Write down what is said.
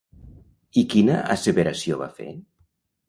I quina asseveració va fer?